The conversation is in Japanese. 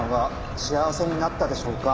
幸せになったでしょうか？